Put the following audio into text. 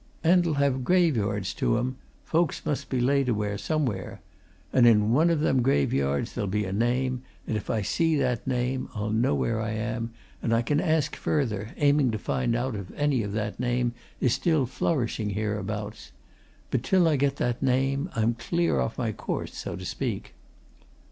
And'll have graveyards to 'em folks must be laid away somewhere. And in one of them graveyards there'll be a name, and if I see that name, I'll know where I am, and I can ask further, aiming at to find out if any of that name is still flourishing hereabouts. But till I get that name, I'm clear off my course, so to speak."